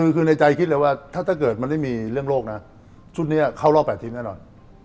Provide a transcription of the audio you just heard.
คือในใจคิดเลยว่าถ้าเกิดมันไม่มีเรื่องโลกนะชุดนี้เข้ารอบ๘ทีมแน่นอน